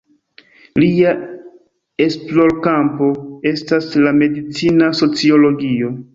Lia esplorkampo estas la medicina sociologio.